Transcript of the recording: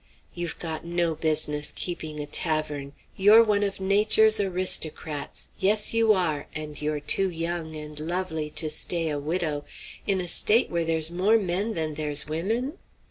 You've got no business keeping tavern; you're one of Nature's aristocrats. Yes, you are! and you're too young and lovely to stay a widow in a State where there's more men than there's women.